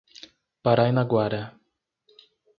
Paranaiguara